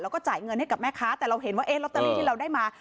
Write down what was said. แล้วก็จ่ายเงินให้กับแม่ค้าแต่เราเห็นว่าลอตเตอรี่ที่เราได้มา